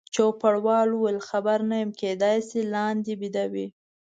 چوپړوال وویل: خبر نه یم، کېدای شي لاندې بیده وي.